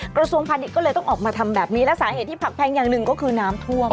กระทรวงพาณิชย์ก็เลยต้องออกมาทำแบบนี้และสาเหตุที่ผักแพงอย่างหนึ่งก็คือน้ำท่วม